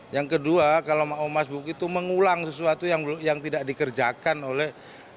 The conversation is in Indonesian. yang kedua kalau mau mas buk itu mengulang sesuatu yang tidak dikerjakan oleh